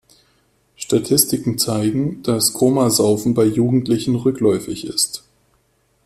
Statistiken zeigen, dass Komasaufen bei Jugendlichen rückläufig ist.